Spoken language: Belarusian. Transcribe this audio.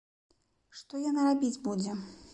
Што яна рабіць будзе?